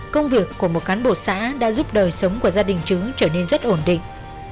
công việc của một cán bộ xã đã giúp đời sống của gia đình chứng trở nên rất ổn định